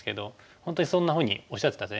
本当にそんなふうにおっしゃってました。